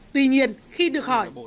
tuy nhiên khi được hỏi